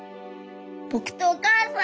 僕とお母さん？